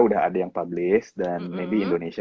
udah ada yang publish dan maybe indonesia